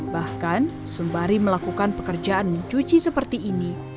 bahkan sembari melakukan pekerjaan mencuci seperti ini